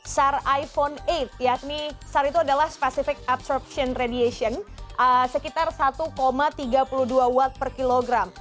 sar iphone delapan yakni sar itu adalah specific absorption radiation sekitar satu tiga puluh dua watt per kilogram